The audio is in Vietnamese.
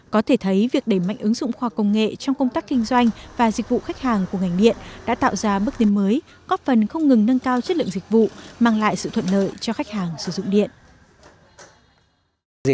có thể thấy việc đẩy mạnh ứng dụng khoa công nghệ trong công tác kinh doanh và dịch vụ khách hàng của ngành điện đã tạo ra bước đến mới